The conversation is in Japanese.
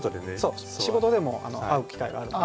そう仕事でも会う機会があるので。